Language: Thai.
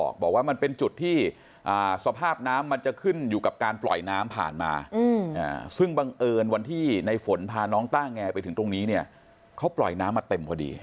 เขาปล่อยน้ำมาเต็มพอดี